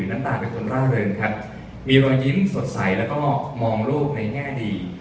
น้ำตาเป็นคนร่าเริงครับมีรอยยิ้มสดใสแล้วก็มองโลกในแง่ดี